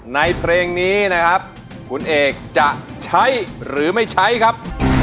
ในเพลงนี้คุณเอกจะใช้หรือไม่ใช้ครับ